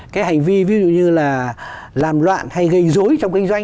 cái hành vi ví dụ như là làm loạn hay gây dối trong kinh doanh